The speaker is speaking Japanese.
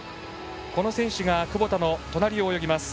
この選手が窪田の隣を泳ぎます。